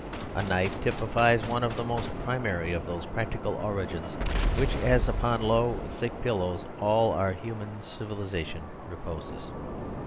A knife typifies one of the most primary of those practical origins upon which as upon low, thick pillows all our human civilisation reposes.